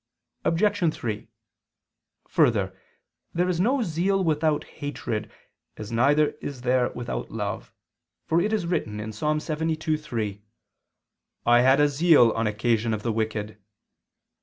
Obj. 3: Further, there is no zeal without hatred, as neither is there without love: for it is written (Ps. 72:3): "I had a zeal on occasion of the wicked."